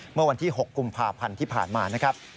เมื่อวันที่๖กุมภาพันธ์ที่ผ่านมานะครับ